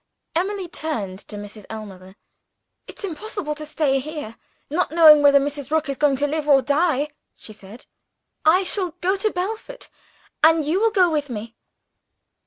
Emily turned to Mrs. Ellmother. "It's impossible to stay here, not knowing whether Mrs. Rook is going to live or die," she said. "I shall go to Belford and you will go with me."